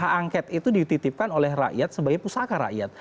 hak angket itu dititipkan oleh rakyat sebagai pusaka rakyat